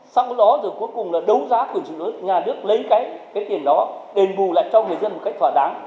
sau đó rồi cuối cùng là đấu giá của nhà nước lấy cái tiền đó đền bù lại cho người dân một cách thỏa đáng